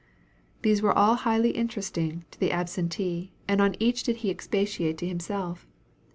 These were all highly interesting to the absentee, and on each did he expatiate to himself.